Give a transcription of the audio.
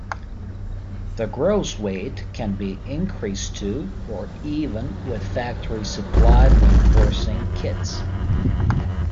The gross weight can be increased to or even with factory-supplied reinforcing kits.